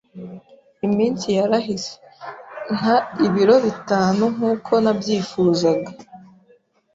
Iminsi yarahise, nta ibiro bitanu nk’uko nabyifuzaga